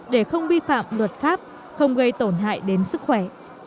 để không bi phạm luật pháp không gây tổn hại đến sức khỏe